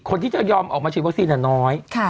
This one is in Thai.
คนที่จะยอมออกมาฉีดวัคซีนน้อย